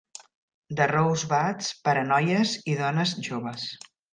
The Rosebuds, per a noies i dones joves.